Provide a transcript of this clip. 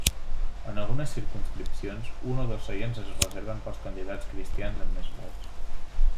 En algunes circumscripcions, un o dos seients es reserven pels candidats cristians amb més vots.